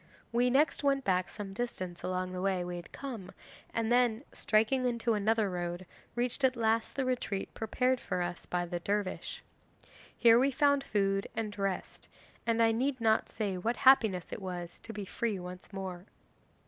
We next went back some distance along the way we had come, then, striking into another road, reached at last the retreat prepared for us by the dervish. Here we found food and rest, and I need not say what happiness it was to be free once more.